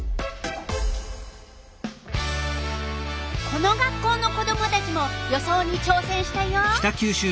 この学校の子どもたちも予想にちょうせんしたよ。